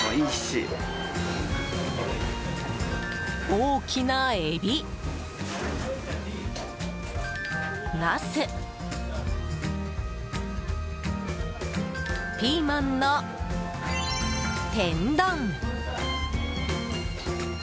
大きなエビ、ナスピーマンの天丼。